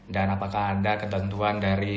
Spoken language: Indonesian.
dan apakah ada ketentuan dari